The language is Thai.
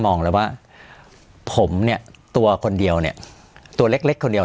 มองแล้วว่าผมเนี่ยตัวคนเดียวเนี่ยตัวเล็กเล็กคนเดียว